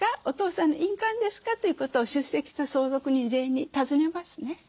お父さんの印鑑ですか？」ということを出席した相続人全員に尋ねますね。